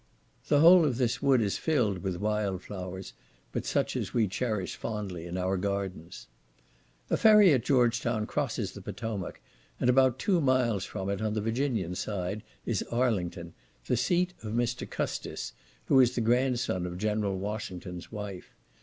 The whole of this wood is filled with wild flowers, but such as we cherish fondly in our gardens. A ferry at George Town crosses the Potomac, and about two miles from it, on the Virginian side, is Arlington, the seat of Mr. Custis, who is the grandson of General Washington's wife.